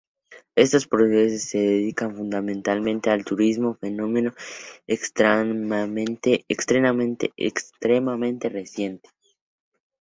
Estos portugueses se dedican fundamentalmente al turismo, fenómeno extremamente reciente.